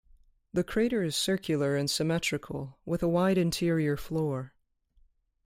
The crater is circular and symmetrical, with a wide interior floor.